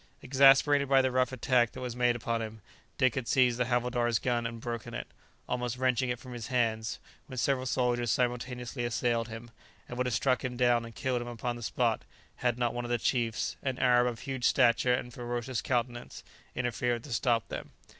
Exasperated by the rough attack that was made upon him, Dick had seized the havildar's gun and broken it, almost wrenching it from his hands, when several soldiers simultaneously assailed him, and would have struck him down and killed him upon the spot, had not one of the chiefs, an Arab of huge stature and ferocious countenance, interfered to stop them.